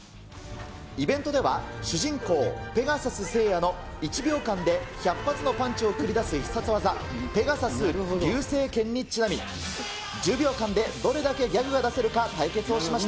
イベントでは、主人公、ペガサス星矢の１秒間で１００発のパンチを繰り出す必殺技、ペガサス流星拳にちなみ、１０秒間でどれだけギャグが出せるか、対決をしました。